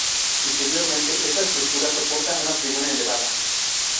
Interiormente esta estructura soporta una tribuna elevada.